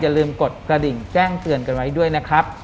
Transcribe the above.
ลืมกดกระดิ่งแจ้งเตือนกันไว้ด้วยนะครับ